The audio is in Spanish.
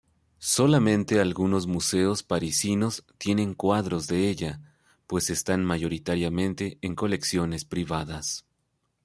Solamente algunos museos parisinos tienen cuadros de ella, pues están mayoritariamente en colecciones privadas.